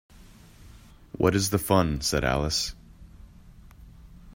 ‘What is the fun?’ said Alice.